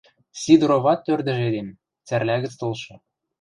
Сидороват ӧрдӹж эдем — Цӓрлӓ гӹц толшы.